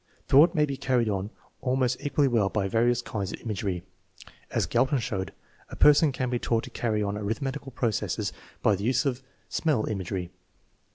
Thought may be carried on almost equally well by various kinds of imagery. As Galton showed, a person can be taught to carry on arithmetical processes by the use of smell imagery.